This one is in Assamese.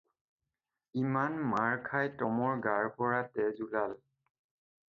ইমান মাৰ খাই টমৰ গাৰ পৰা তেজ ওলাল।